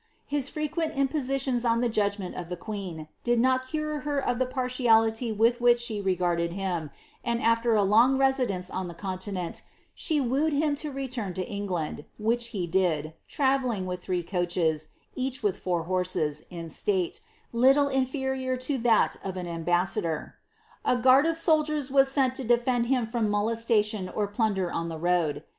* His freqneni imposittons on the judgment of the queen, did not care her of the partiality with which she r^arded him, and after a long residence on the continent, she wooed him to return to England, which he did, Iravdling with three coaches, each with four horses, i> atate, little inferior to that of an ambassador. A goard of soldiers wai aeni to defend him from molestation or pinnder on the road.